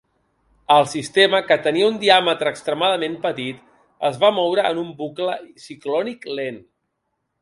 El sistema, que tenia un "diàmetre extremadament petit", es va moure en un bucle ciclònic lent.